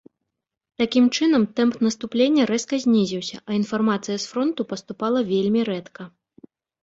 Такім чынам, тэмп наступлення рэзка знізіўся, а інфармацыя з фронту паступала вельмі рэдка.